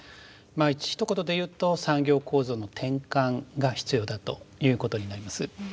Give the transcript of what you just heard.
まあひと言で言うと産業構造の転換が必要だということになります。